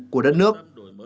của đất nước